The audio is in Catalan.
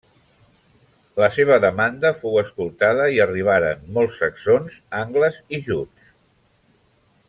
La seva demanda fou escoltada i arribaren molts saxons, angles i juts.